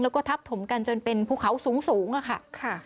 แล้วก็ทับถมกันจนเป็นภูเขาสูงอะค่ะ